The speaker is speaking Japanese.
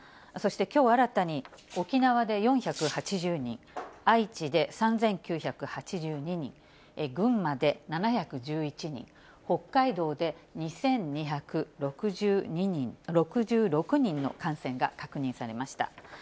そして、きょう新たに沖縄で４８０人、愛知で３９８２人、群馬で７１１人、北海道で２２６６人の感染が確認されました。